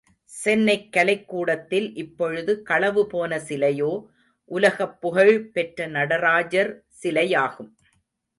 சென்னைக் கலைக்கூடத்தில் இப்பொழுது களவு போன சிலையோ, உலகப்புகழ் பெற்ற நடராஜர் சிலையாகும்.